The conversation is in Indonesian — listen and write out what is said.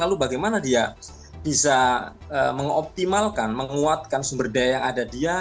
lalu bagaimana dia bisa mengoptimalkan menguatkan sumber daya yang ada dia